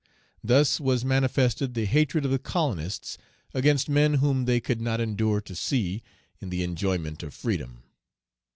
Thus was manifested the hatred of the colonists against men whom they could not endure to see in the enjoyment of freedom.